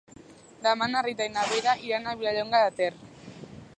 Demà na Rita i na Vera iran a Vilallonga de Ter.